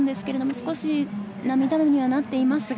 少し涙目になっています。